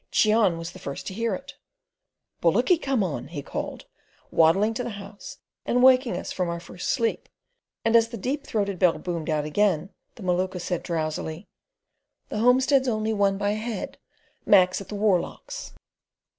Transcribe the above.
Cheon was the first to hear it. "Bullocky come on," he called, waddling to the house and waking us from our first sleep; and as the deep throated bell boomed out again the Maluka said drowsily: "The homestead's only won by a head. Mac's at the Warlochs."